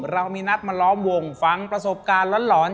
เรามีนัดมาล้อมวงฟังประสบการณ์หลอน